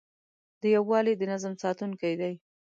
دا یووالی د نظم ساتونکی دی.